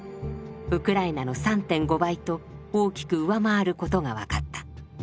ウクライナの３．５倍と大きく上回ることが分かった。